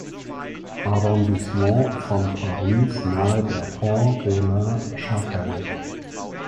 Arrondissement von Paris nahe der Porte de la Chapelle.